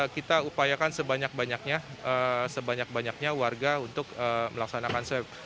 kita upayakan sebanyak banyaknya warga untuk melaksanakan swab